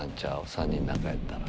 ３人の中やったら。